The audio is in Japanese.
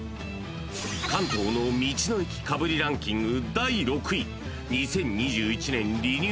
［関東の道の駅かぶりランキング］